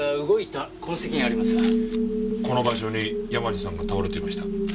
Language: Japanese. この場所に山路さんが倒れていました。